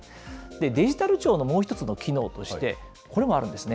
デジタル庁のもう一つの機能として、これもあるんですね。